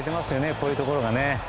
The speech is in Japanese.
こういうところがね。